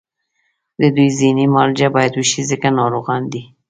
د دوی ذهني معالجه باید وشي ځکه ناروغان دي